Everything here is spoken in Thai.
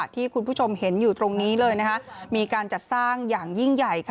ที่คุณผู้ชมเห็นอยู่ตรงนี้เลยมีการจัดสร้างอย่างยิ่งใหญ่